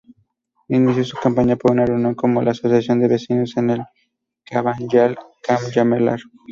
Inició su campaña con una reunión con la Asociación de Vecinos de El Cabanyal-Canyamelar.